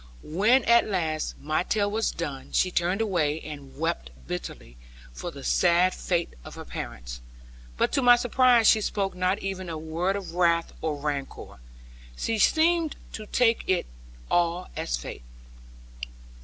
When at last my tale was done, she turned away, and wept bitterly for the sad fate of her parents. But to my surprise she spoke not even a word of wrath or rancour. She seemed to take it all as fate.